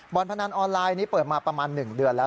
พนันออนไลน์นี้เปิดมาประมาณ๑เดือนแล้ว